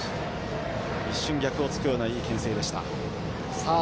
一瞬逆をつくようないいけん制でした。